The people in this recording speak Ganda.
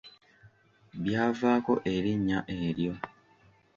Byavaako erinnya eryo.